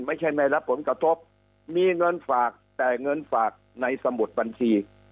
ไม่ใช่ไม่รับผลกระทบมีเงินฝากแต่เงินฝากในสมุดบัญชี